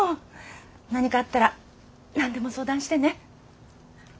何かあったら何でも相談してね。